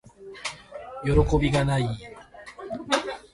よろこびがない～